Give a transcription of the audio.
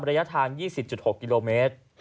ระยะทาง๒๐๖กิโลเมตร